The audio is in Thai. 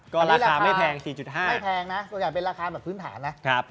ก็ราคาไม่แพง๔๕ไม่แพงนะส่วนใหญ่เป็นราคาแบบพื้นฐานนะ